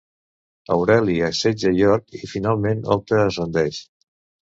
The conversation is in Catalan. Aureli assetja York i finalment Octa es rendeix.